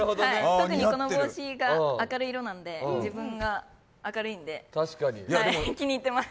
特にこの帽子が明るい色なんで自分が明るいんで気に入ってます。